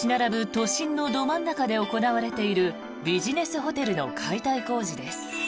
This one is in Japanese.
都心のど真ん中で行われているビジネスホテルの解体工事です。